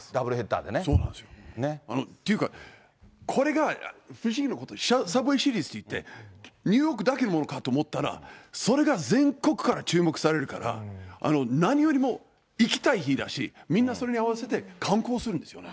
そうなんですよ。というか、これが、サブウェイシリーズといって、ニューヨークだけかと思ったら、それが全国から注目されるから、何よりも行きたい日だし、みんなそれに合わせて観光するんですよ。